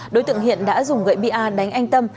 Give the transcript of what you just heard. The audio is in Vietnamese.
đối tượng hiện đã dùng gậy ba đánh anh tâm